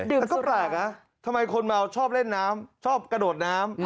อันนี้ก็แปลกค่ะท่ามายคนเบาชอบเล่นน้ำชอบกระโดดน้ำ